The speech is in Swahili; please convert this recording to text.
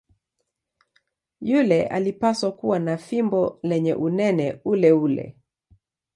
Yule alipaswa kuwa na fimbo lenye unene uleule.